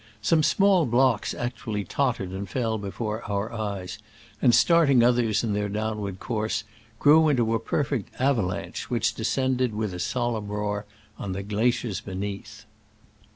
Some small blocks actually tottered and fell before our eyes, and starting others in their downward course, grew into a perfect avalanche, which descended with a sol emn roar on the glaciers beneath.